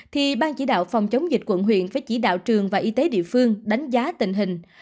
thì ban chỉ đạo phòng chống dịch quận huyện phải chỉ đạo trường và y tế địa phương đánh giá tình hình